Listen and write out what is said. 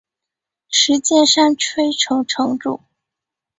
石见山吹城城主。